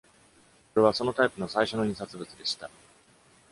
これはそのタイプの最初の印刷物でした。